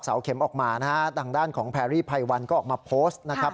เข็มออกมานะฮะทางด้านของแพรรี่ไพวันก็ออกมาโพสต์นะครับ